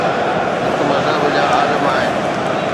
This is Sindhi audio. هڪ مذهب جا عالم آهن.